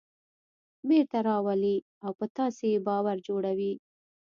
بېرته راولي او په تاسې یې باور جوړوي.